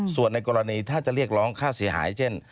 ส่วนในกรณีถ้าจะเรียกร้องค่าเสียหายเช่น